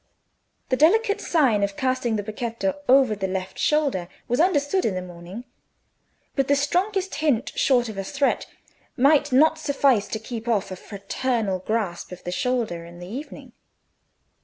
The delicate sign of casting the becchetto over the left shoulder was understood in the morning, but the strongest hint short of a threat might not suffice to keep off a fraternal grasp of the shoulder in the evening.